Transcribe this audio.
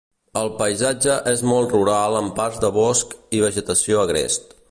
El paisatge és molt rural amb parts de bosc i vegetació agrest.